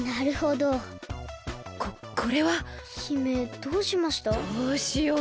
どうしよう。